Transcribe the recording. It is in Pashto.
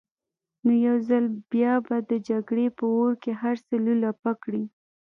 نو يو ځل بيا به د جګړې په اور کې هر څه لولپه کړي.